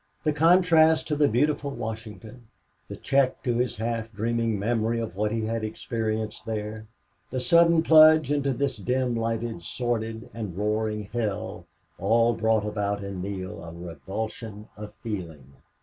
The contrast to the beautiful Washington, the check to his half dreaming memory of what he had experienced there, the sudden plunge into this dim lighted, sordid, and roaring hell, all brought about in Neale a revulsion of feeling.